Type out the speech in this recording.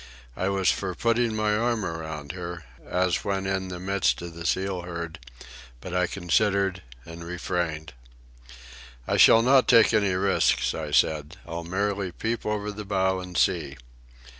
I was for putting my arm around her, as when in the midst of the seal herd; but I considered, and refrained. "I shall not take any risks," I said. "I'll merely peep over the bow and see."